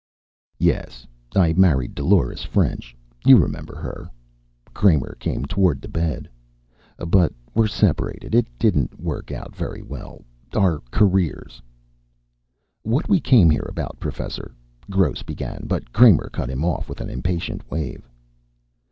"Yes. I married Dolores French. You remember her." Kramer came toward the bed. "But we're separated. It didn't work out very well. Our careers " "What we came here about, Professor," Gross began, but Kramer cut him off with an impatient wave.